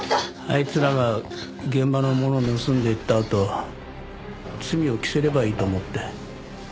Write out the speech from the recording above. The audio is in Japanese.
あいつらが現場のものを盗んでいったあと罪を着せればいいと思って。